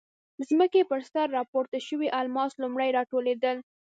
ځمکې پر سر راپورته شوي الماس لومړی راټولېدل.